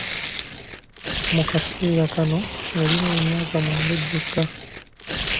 Mu kaseera kano yalina emyaka mwenda gyokka.